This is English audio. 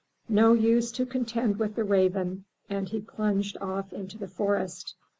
"No use to contend with the Raven!" And he plunged off into the forest. .